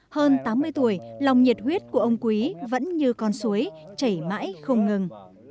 hơn tám mươi tuổi lòng nhiệt huyết của ông quý vẫn như con suối chảy mãi không ngừng